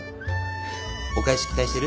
お返し期待してる？